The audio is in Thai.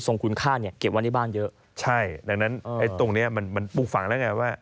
คุณค่าเนี่ยเก็บไว้ในบ้านเยอะใช่ดังนั้นไอ้ตรงเนี้ยมันมันปลูกฝังแล้วไงว่า